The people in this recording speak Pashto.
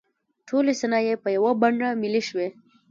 ټولې صنایع په یوه بڼه ملي شوې.